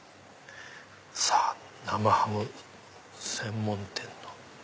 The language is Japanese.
さぁ生ハム専門店の。